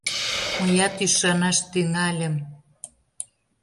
Мыят ӱшанаш тӱҥальым.